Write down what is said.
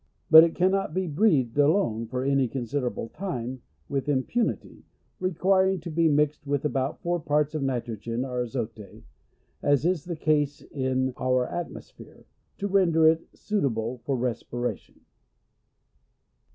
But it cannot be breathed alone for any considerable time with impunity, requiring to be mixed with about four parts of nitrogen or azote, as is tho case in PHYSIOLOGY:— GLOSSARY. 117 our atmosphere, to render it suit able for respiration.